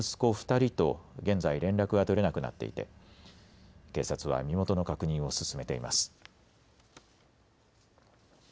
２人と現在、連絡が取れなくなっていて警察は身元の確認を進めています。